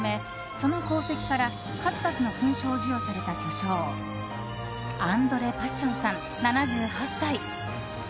その功績から数々の勲章を授与された巨匠アンドレ・パッションさん７８歳。